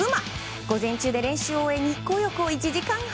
午前中で練習を終え日光浴を１時間半。